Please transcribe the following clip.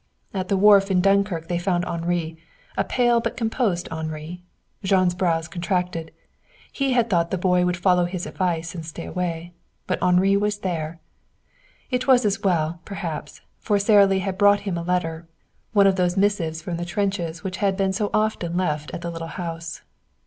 At the wharf in Dunkirk they found Henri, a pale but composed Henri. Jean's brows contracted. He had thought that the boy would follow his advice and stay away. But Henri was there. It was as well, perhaps, for Sara Lee had brought him a letter, one of those missives from the trenches which had been so often left at the little house.